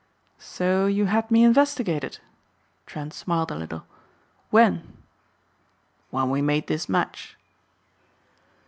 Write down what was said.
"So you had me investigated?" Trent smiled a little. "When?" "When we made this match."